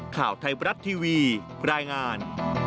ข่าวไทยบรัฐทีวีรายงาน